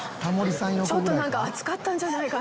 ちょっとなんか熱かったんじゃないかな？